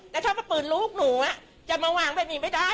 แต่ถ้าเป็นปืนลูกหนูจะมาวางแบบนี้ไม่ได้